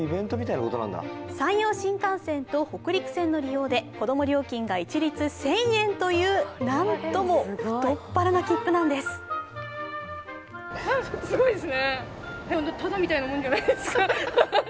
山陽新幹線と北陸線の利用で子供料金が一律１０００円というなんとも太っ腹なきっぷなんです